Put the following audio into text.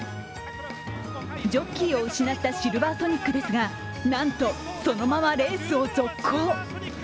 ジョッキーを失ったシルヴァーソニックですがなんと、そのままレースを続行。